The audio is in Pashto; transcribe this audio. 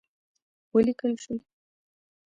وليکل شول: